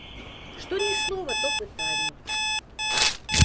Што ні слова, то пытанне.